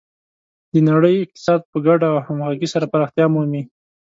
د نړۍ اقتصاد په ګډه او همغږي سره پراختیا مومي.